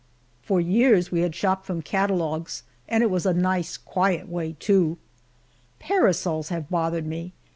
For years we had shopped from catalogues, and it was a nice quiet way, too. Parasols have bothered me.